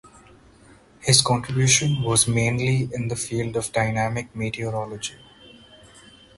His contribution was mainly in the field of dynamic meteorology.